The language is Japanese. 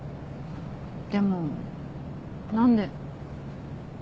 でも何で？